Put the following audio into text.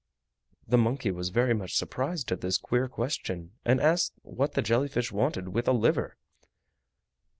The monkey was very much surprised at this queer question, and asked what the jelly fish wanted with a liver.